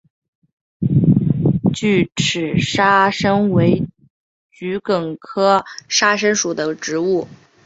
锯齿沙参为桔梗科沙参属的植物。